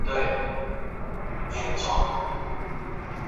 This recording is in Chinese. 此战源于法国试图吞并弗兰德伯国。